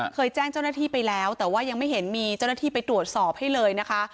เคยแจ้งเจ้าหน้าที่ไปแล้วแต่ว่ายังไม่เห็นมีเจ้าหน้าที่ไปตรวจสอบให้เลยนะคะ